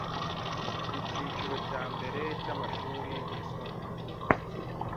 icyiciro cya mbere cy'amashuri yisumbuye